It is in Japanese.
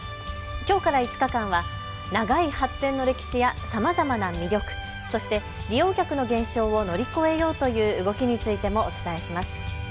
きょうから５日間は長い発展の歴史やさまざまな魅力、そして利用客の減少を乗り越えようという動きについてもお伝えします。